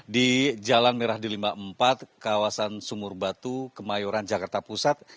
di jalan merah di lima puluh empat kawasan sumur batu kemayoran jakarta pusat